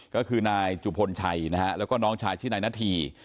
ก็คือนายจุพลชัยนะฮะแล้วก็น้องชายชื่อนายนาธี